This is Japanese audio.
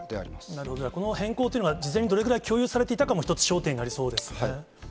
なるほど、じゃあこの変更というのが、事前にどれぐらい共有されていたかも、一つ、焦点になりそうですね。